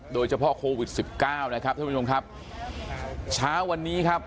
โดยเฉพาะโควิดสิบเก้านะครับท่านผู้ชมครับเช้าวันนี้ครับ